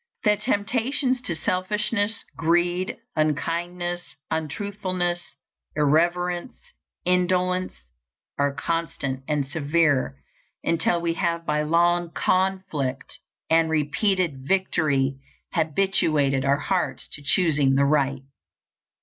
The temptations to selfishness, greed, unkindness, untruthfulness, irreverence, indolence, are constant and severe until we have by long conflict and repeated victory habituated our hearts to choosing the right.